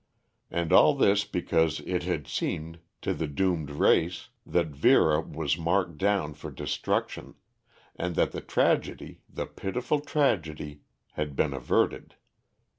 And all this because it had seemed to the doomed race that Vera was marked down for destruction, and that the tragedy, the pitiful tragedy, had been averted.